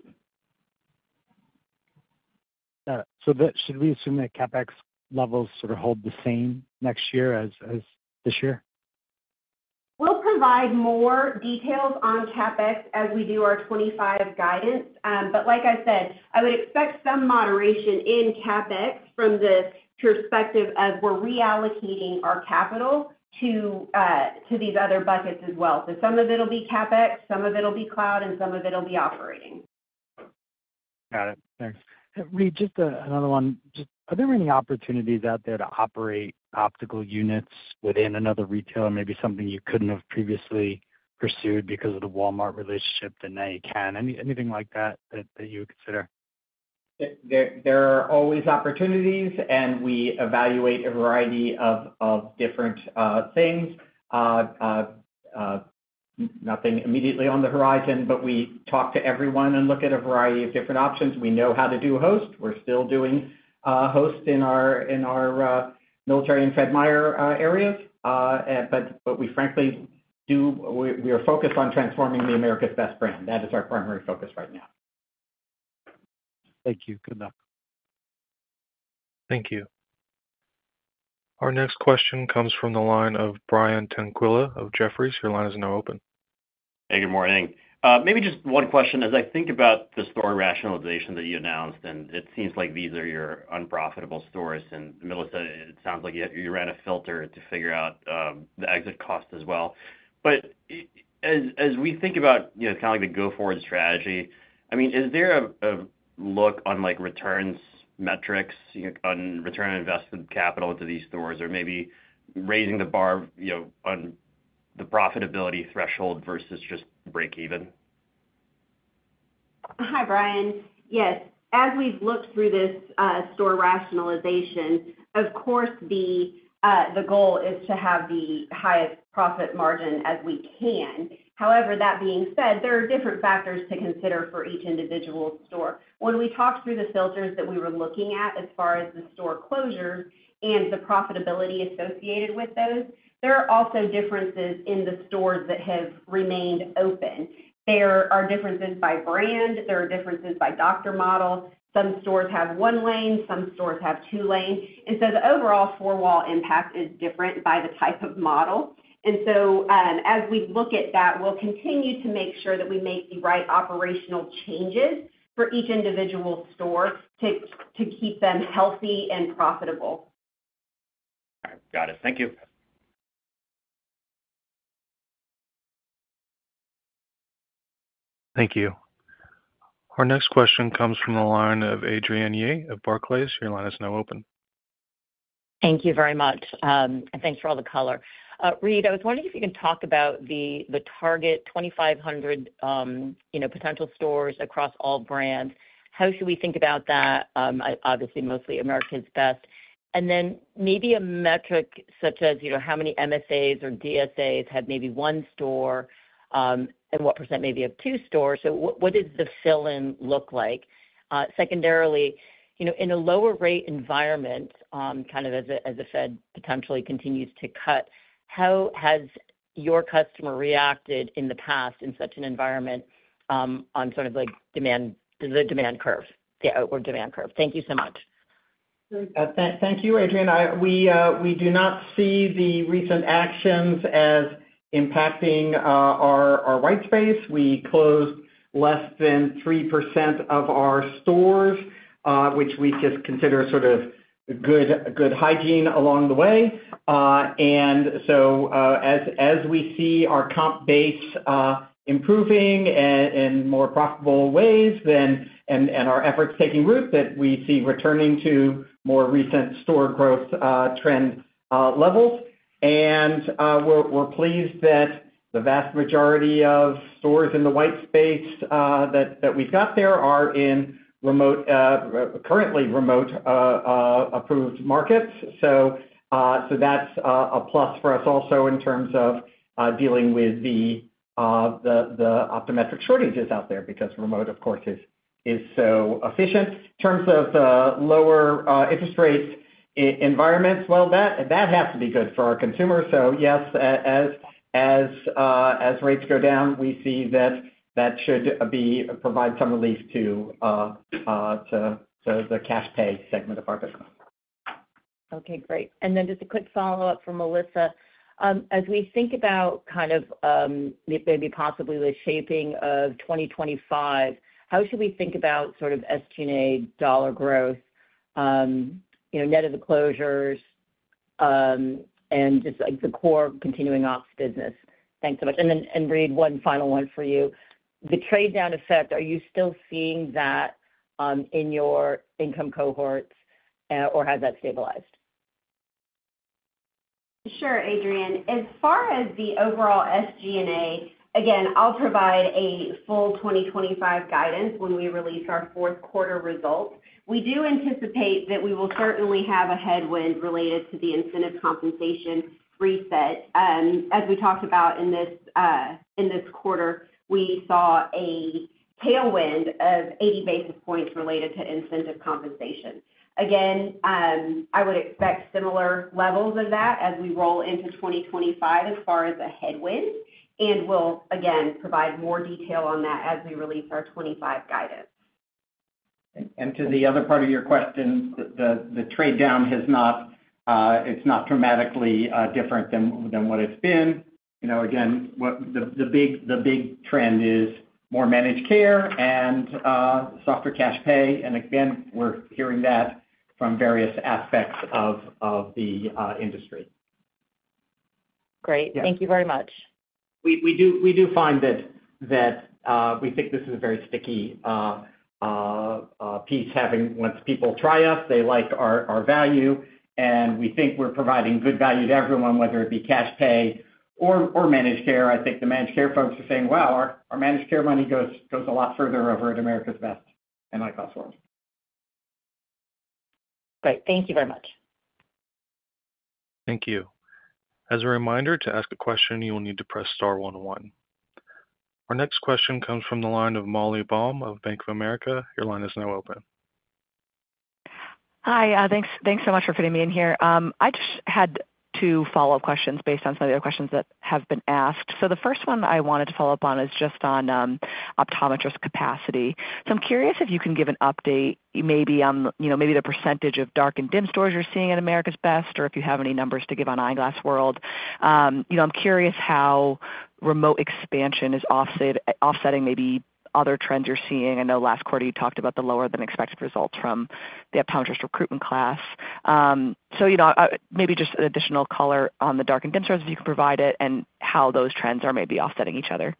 Got it. So should we assume that CapEx levels sort of hold the same next year as this year? We'll provide more details on CapEx as we do our 2025 guidance. But like I said, I would expect some moderation in CapEx from the perspective of we're reallocating our capital to these other buckets as well. So some of it will be CapEx, some of it will be OpEx, and some of it will be operating. Got it. Thanks. Reade, just another one. Are there any opportunities out there to operate optical units within another retailer, maybe something you couldn't have previously pursued because of the Walmart relationship that now you can? Anything like that that you would consider? There are always opportunities, and we evaluate a variety of different things. Nothing immediately on the horizon, but we talk to everyone and look at a variety of different options. We know how to do host. We're still doing host in our military and Fred Meyer areas. But we, frankly, we are focused on transforming the America's Best brand. That is our primary focus right now. Thank you. Good luck. Thank you. Our next question comes from the line of Brian Tanquilut of Jefferies. Your line is now open. Hey, good morning. Maybe just one question. As I think about the store rationalization that you announced, and it seems like these are your unprofitable stores. And Melissa, it sounds like you ran a filter to figure out the exit cost as well. But as we think about kind of the go-forward strategy, I mean, is there a look on returns metrics, on return on invested capital into these stores, or maybe raising the bar on the profitability threshold versus just break-even? Hi, Brian. Yes. As we've looked through this store rationalization, of course, the goal is to have the highest profit margin as we can. However, that being said, there are different factors to consider for each individual store. When we talked through the filters that we were looking at as far as the store closures and the profitability associated with those, there are also differences in the stores that have remained open. There are differences by brand. There are differences by doctor model. Some stores have one lane. Some stores have two lanes. And so the overall four-wall impact is different by the type of model. And so as we look at that, we'll continue to make sure that we make the right operational changes for each individual store to keep them healthy and profitable. Got it. Thank you. Thank you. Our next question comes from the line of Adrienne Yih of Barclays. Your line is now open. Thank you very much. And thanks for all the color. Reade, I was wondering if you can talk about the target 2,500 potential stores across all brands. How should we think about that? Obviously, mostly America's Best. And then maybe a metric such as how many MSAs or DMAs have maybe one store and what % maybe of two stores? What does the fill-in look like? Secondarily, in a lower-rate environment, kind of as the Fed potentially continues to cut, how has your customer reacted in the past in such an environment on sort of the demand curve? Thank you so much. Thank you, Adrienne. We do not see the recent actions as impacting our white space. We closed less than 3% of our stores, which we just consider sort of good hygiene along the way. And so as we see our comp base improving in more profitable ways and our efforts taking root, that we see returning to more recent store growth trend levels. And we're pleased that the vast majority of stores in the white space that we've got there are in currently remote-approved markets. So that's a plus for us also in terms of dealing with the optometric shortages out there because remote, of course, is so efficient. In terms of lower interest rate environments, well, that has to be good for our consumers. So yes, as rates go down, we see that that should provide some relief to the cash-pay segment of our business. Okay. Great. And then just a quick follow-up from Melissa. As we think about kind of maybe possibly the shaping of 2025, how should we think about sort of SG&A dollar growth, net of the closures, and just the core continuing ops business? Thanks so much. And Reade, one final one for you. The trade-down effect, are you still seeing that in your income cohorts, or has that stabilized? Sure, Adrienne. As far as the overall SG&A, again, I'll provide a full 2025 guidance when we release our fourth quarter results. We do anticipate that we will certainly have a headwind related to the incentive compensation reset. As we talked about in this quarter, we saw a tailwind of 80 basis points related to incentive compensation. Again, I would expect similar levels of that as we roll into 2025 as far as a headwind, and we'll, again, provide more detail on that as we release our 2025 guidance. And to the other part of your question, the trade-down, it's not dramatically different than what it's been. Again, the big trend is more managed care and softer cash-pay. And again, we're hearing that from various aspects of the industry. Great. Thank you very much. We do find that we think this is a very sticky piece. Once people try us, they like our value. And we think we're providing good value to everyone, whether it be cash-pay or managed care. I think the managed care folks are saying, "Wow, our managed care money goes a lot further over at America's Best and Eyeglass World." Great. Thank you very much. Thank you. As a reminder, to ask a question, you will need to press star one one. Our next question comes from the line of Molly Baum of Bank of America. Your line is now open. Hi. Thanks so much for fitting me in here. I just had two follow-up questions based on some of the other questions that have been asked. So the first one I wanted to follow up on is just on optometrist capacity. I'm curious if you can give an update maybe on the percentage of dark and dim stores you're seeing at America's Best or if you have any numbers to give on Eyeglass World. I'm curious how remote expansion is offsetting maybe other trends you're seeing. I know last quarter, you talked about the lower-than-expected results from the optometrist recruitment class. Maybe just additional color on the dark and dim stores if you can provide it and how those trends are maybe offsetting each other.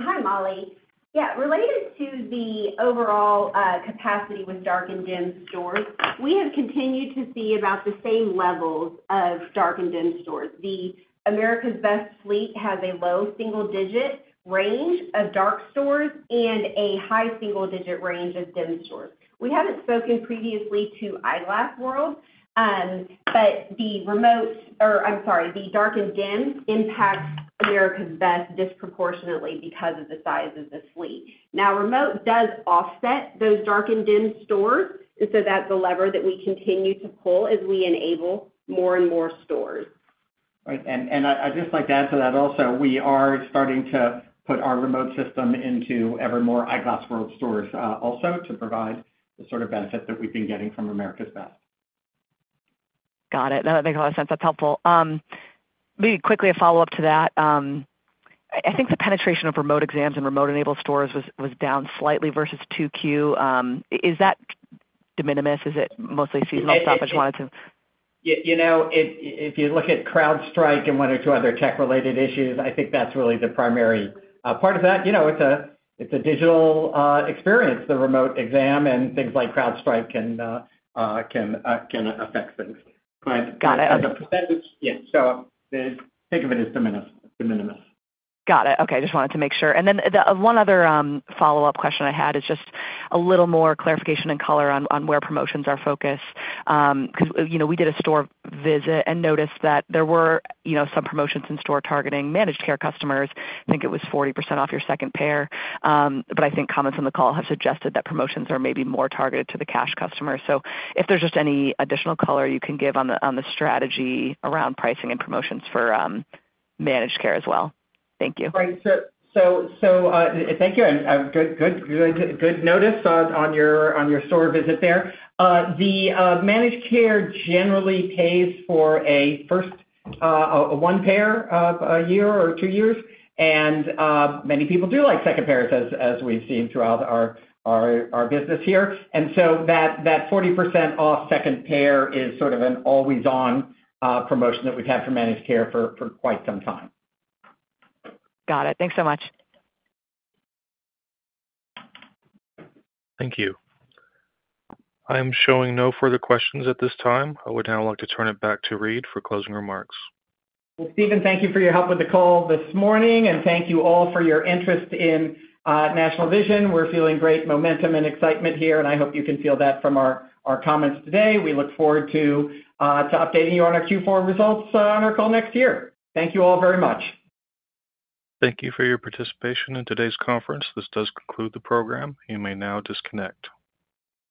Hi, Molly. Yeah. Related to the overall capacity with dark and dim stores, we have continued to see about the same levels of dark and dim stores. The America's Best fleet has a low single-digit range of dark stores and a high single-digit range of dim stores. We haven't spoken previously to Eyeglass World, but the remote or I'm sorry, the dark and dim impacts America's Best disproportionately because of the size of the fleet. Now, remote does offset those dark and dim stores. And so that's a lever that we continue to pull as we enable more and more stores. Right. And I'd just like to add to that also, we are starting to put our remote system into ever more Eyeglass World stores also to provide the sort of benefit that we've been getting from America's Best. Got it. That makes a lot of sense. That's helpful. Maybe quickly a follow-up to that. I think the penetration of remote exams and remote-enabled stores was down slightly versus 2Q. Is that de minimis? Is it mostly seasonal stuff? I just wanted to. If you look at CrowdStrike and one or two other tech-related issues, I think that's really the primary part of that. It's a digital experience. The remote exam and things like CrowdStrike can affect things. But yeah. So the thing of it is de minimis. Got it. Okay. I just wanted to make sure. And then one other follow-up question I had is just a little more clarification and color on where promotions are focused because we did a store visit and noticed that there were some promotions in store targeting managed care customers. I think it was 40% off your second pair. But I think comments on the call have suggested that promotions are maybe more targeted to the cash customers. So if there's just any additional color you can give on the strategy around pricing and promotions for managed care as well. Thank you. Right. So thank you. Good notice on your store visit there. The managed care generally pays for a one pair a year or two years. And many people do like second pairs, as we've seen throughout our business here. And so that 40% off second pair is sort of an always-on promotion that we've had for managed care for quite some time. Got it. Thanks so much. Thank you. I'm showing no further questions at this time. I would now like to turn it back to Reade for closing remarks. Well, Steven, thank you for your help with the call this morning. And thank you all for your interest in National Vision. We're feeling great momentum and excitement here. And I hope you can feel that from our comments today. We look forward to updating you on our Q4 results on our call next year. Thank you all very much. Thank you for your participation in today's conference. This does conclude the program. You may now disconnect.